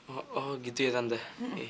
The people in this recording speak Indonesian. oh oh gitu ya tante